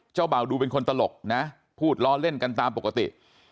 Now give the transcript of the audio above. เบาดูเป็นคนตลกนะพูดล้อเล่นกันตามปกติ